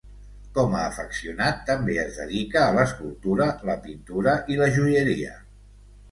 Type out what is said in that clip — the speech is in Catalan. Com a afeccionat també es dedica a l'escultura, la pintura i la joieria.